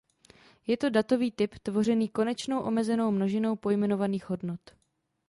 Je to datový typ tvořený konečnou omezenou množinou pojmenovaných hodnot.